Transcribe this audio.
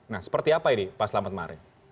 nah seperti apa ini pak selamat mari